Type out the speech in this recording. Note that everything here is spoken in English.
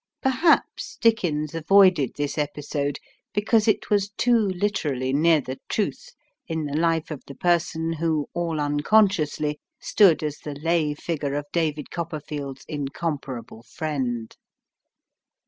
Perhaps Dickens avoided this episode because it was too literally near the truth in the life of the person who, all unconsciously, stood as the lay figure of David Copperfield's incomparable friend.